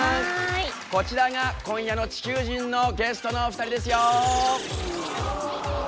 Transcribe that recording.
こちらが今夜の地球人のゲストのお二人ですよ。